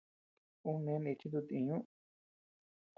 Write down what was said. Un neʼë nichi dut-íñuu.